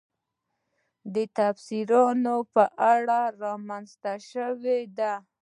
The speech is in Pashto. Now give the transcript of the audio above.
د تفسیرونو په اړه رامنځته شوې دي.